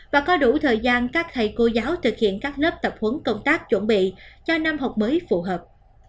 và có đủ thời gian các thầy cô giáo thực hiện các lớp tập huấn công tác chuẩn bị cho năm học mới phù hợp